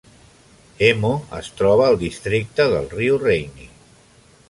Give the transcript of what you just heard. Emo es troba al districte del riu Rainy.